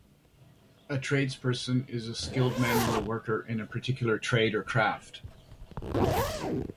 A tradesperson is a skilled manual worker in a particular trade or craft.